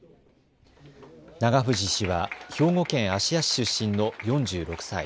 永藤氏は兵庫県芦屋市出身の４６歳。